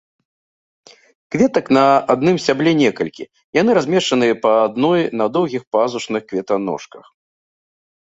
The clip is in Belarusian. Кветак на адным сцябле некалькі, яны размешчаны па адной на доўгіх пазушных кветаножках.